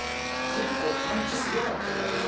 結構パンチすごかったからな。